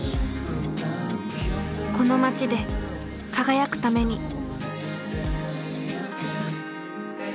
この町で輝くために。